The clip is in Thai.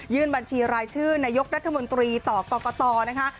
บัญชีรายชื่อนายกรัฐมนตรีต่อกรกตนะคะ